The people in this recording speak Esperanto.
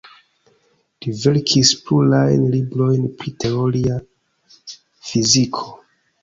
Li verkis plurajn librojn pri teoria fiziko.